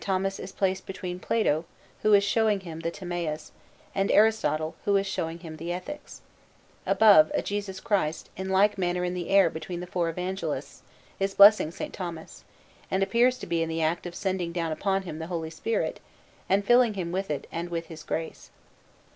Thomas is placed between Plato, who is showing him the Timæus, and Aristotle, who is showing him the Ethics. Above, a Jesus Christ, in like manner in the air between the four Evangelists, is blessing S. Thomas, and appears to be in the act of sending down upon him the Holy Spirit, and filling him with it and with His grace.